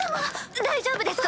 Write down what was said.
大丈夫ですか？